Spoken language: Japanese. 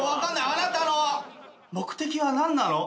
あなたの目的は何なの？